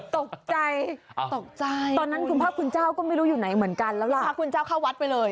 ตกใจตกใจตอนนั้นคุณพ่อคุณเจ้าก็ไม่รู้อยู่ไหนเหมือนกันแล้วล่ะพาคุณเจ้าเข้าวัดไปเลย